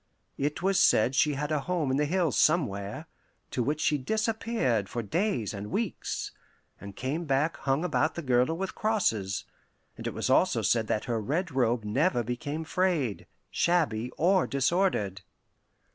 It was said she had a home in the hills somewhere, to which she disappeared for days and weeks, and came back hung about the girdle with crosses; and it was also said that her red robe never became frayed, shabby, or disordered.